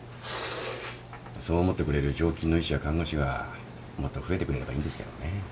そう思ってくれる常勤の医師や看護師がもっと増えてくれればいいんですけどね。